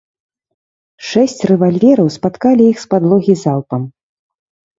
Шэсць рэвальвераў спаткалі іх з падлогі залпам.